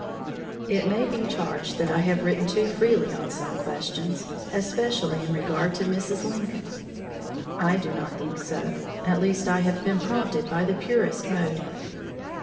It may be charged that I have written too freely on some questions, especially in regard to Mrs. Lincoln. I do not think so; at least I have been prompted by the purest motive.